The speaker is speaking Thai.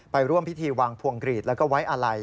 ไปร่วมพิธีวางพวงกรีดแล้วก็ไว้อาลัย